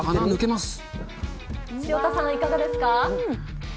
ま潮田さん、いかがですか？